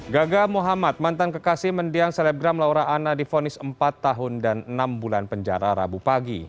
gaga muhammad mantan kekasih mendiang selebgram laura anna difonis empat tahun dan enam bulan penjara rabu pagi